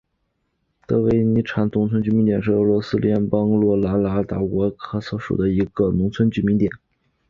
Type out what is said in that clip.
德维尼察农村居民点是俄罗斯联邦沃洛格达州索科尔区所属的一个农村居民点。